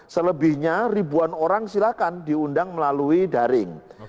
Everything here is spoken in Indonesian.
selebihnya ribuan orang silakan diundang melalui daring